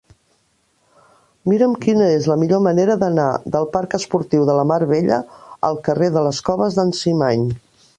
Mira'm quina és la millor manera d'anar del parc Esportiu de la Mar Bella al carrer de les Coves d'en Cimany.